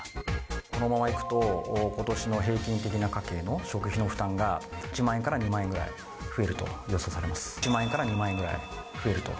このままいくと、ことしの平均的な家計の食費の負担が、１万円から２万円ぐらい増えると予想されます。